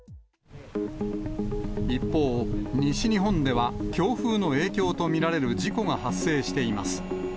一方、西日本では強風の影響と見られる事故が発生しています。